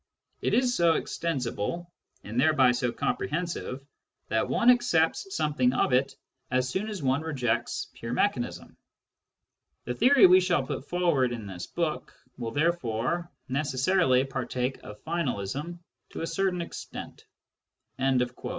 It is so extensible, and thereby so com prehensive, that one accepts something of it as soon as one rejects pure mechanism. The theory we shall put forward in this book will therefore necessarily partake of finalism to a certain extent."